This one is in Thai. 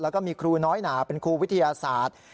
แล้วก็มีครูน้อยหนาเป็นครูวิทยาศาสตร์